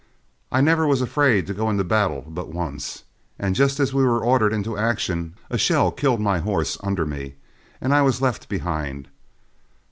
I never was afraid to go into battle but once, and just as we were ordered into action, a shell killed my horse under me and I was left behind.